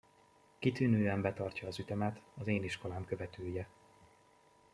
Kitűnően betartja az ütemet, az én iskolám követője.